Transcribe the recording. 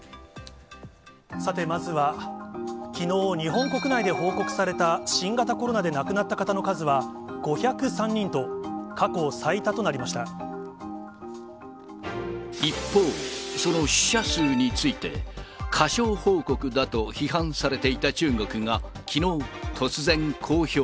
さて、まずはきのう、日本国内で報告された新型コロナで亡くなった方の数は５０３人と、一方、その死者数について、過少報告だと批判されていた中国がきのう、突然、公表。